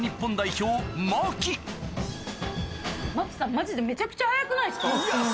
マジでめちゃくちゃ早くないですか？